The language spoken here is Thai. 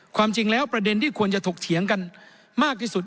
ความจริงแล้วประเด็นที่ควรจะถกเถียงกันมากที่สุด